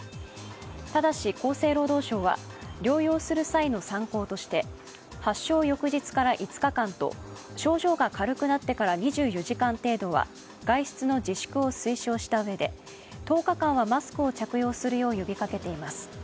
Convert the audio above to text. ただし厚生労働省は療養する際の参考として発症翌日から５日間と症状が軽くなってから２４時間程度は外出の自粛を推奨したうえで１０日間はマスクを着用するよう呼びかけています。